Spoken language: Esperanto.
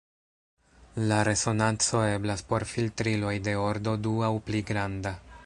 La resonanco eblas por filtriloj de ordo du aŭ pli granda.